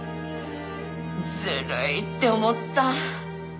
ずるいって思った。